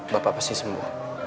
bapak pasti sembuh